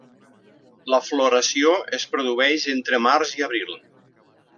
La floració es produeix entre març i abril.